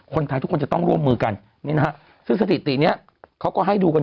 คนไทยทุกคนจะต้องร่วมมือกันนี่นะฮะซึ่งสถิตินี้เขาก็ให้ดูกัน